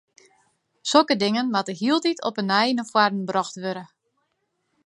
Sokke dingen moatte hieltyd op 'e nij nei foaren brocht wurde.